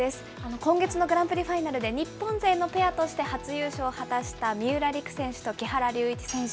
今月のグランプリファイナルで日本勢のペアとして初優勝を果たした三浦璃来選手と木原龍一選手。